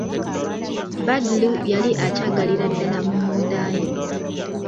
Badru yali akyagalira ddala mu munda ye.